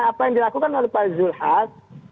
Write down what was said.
apa yang dilakukan oleh pak zulkifli hasan